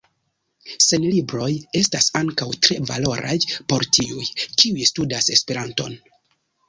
Sonlibroj estas ankaŭ tre valoraj por tiuj, kiuj studas Esperanton.